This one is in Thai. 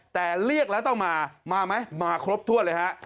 แต่เรียกแล้วต้องมามาไหมมาครบถ้วนเลยฮะ